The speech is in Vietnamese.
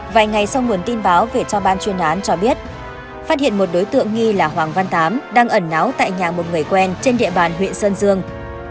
vài ngày sau nguồn tin báo về cho ban chuyên án cho biết phát hiện một đối tượng nghi là hoàng văn tám đang ẩn náo tại nhà một người quen trên địa bàn huyện sơn dương